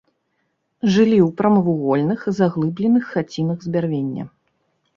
Жылі ў прамавугольных заглыбленых хацінах з бярвення.